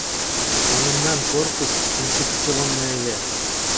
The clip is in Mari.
Но мемнан корпус инфекционный ыле